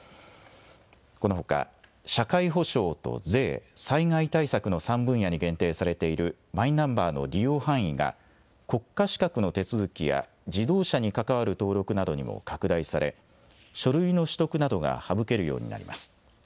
このほか、社会保障と税、災害対策の３分野に限定されているマイナンバーの利用範囲が、国家資格の手続きや、自動車に関わる登録などにも拡大され、書類の取得などが省けるようになります。